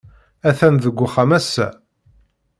Atan deg uxxam ass-a.